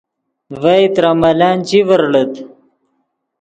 ڤئے ترے ملن چے ڤرڑیت